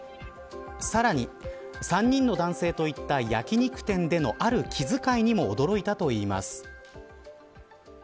さらに３人の男性と行った焼き肉店でのある気遣いにも驚いたといいます。